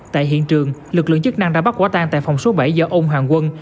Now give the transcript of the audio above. tại hiện trường lực lượng chức năng đã bắt quả tan tại phòng số bảy do ông hoàng quân